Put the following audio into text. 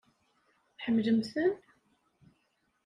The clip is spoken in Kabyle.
Tḥemmlemt-ten?